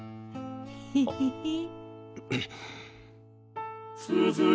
ヘヘヘヘ。